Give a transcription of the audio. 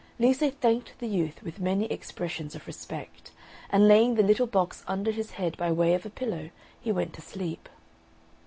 Lise thanked the youth, with many expressions of respect, and laying the little box under his head by way of a pillow, he went to sleep.